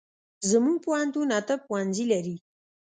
زمونږ پوهنتون اته پوهنځي لري